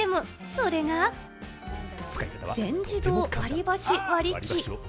それが、全自動割り箸割り機。